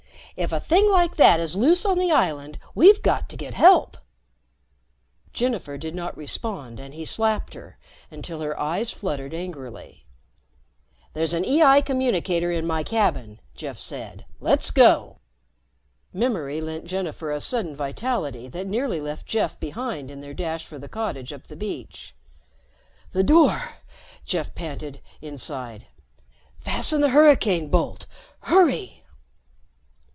"If a thing like that is loose on the island, we've got to get help!" Jennifer did not respond and he slapped her, until her eyes fluttered angrily. "There's an EI communicator in my cabin," Jeff said. "Let's go." Memory lent Jennifer a sudden vitality that nearly left Jeff behind in their dash for the cottage up the beach. "The door," Jeff panted, inside. "Fasten the hurricane bolt. Hurry."